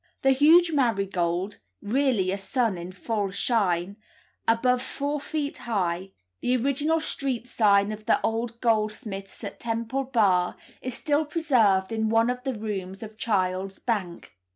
The huge marigold (really a sun in full shine), above four feet high, the original street sign of the old goldsmiths at Temple Bar, is still preserved in one of the rooms of Child's bank.